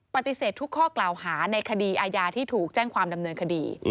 ปฏิเสธทุกข้อกล่าวหาในคดีอาญาที่ถูกแจ้งความดำเนินคดี